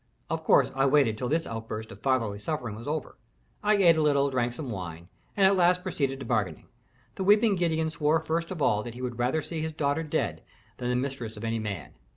Of course I waited till this outburst of fatherly suffering was over; I ate a little, drank some wine, and at last proceeded to bargaining. The weeping Gideon swore first of all that he would rather see his daughter dead than the mistress of any man.